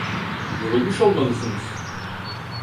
Yorulmuş olmalısınız.